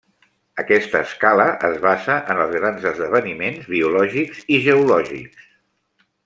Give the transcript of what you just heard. Aquesta escala es basa en els grans esdeveniments biològics i geològics.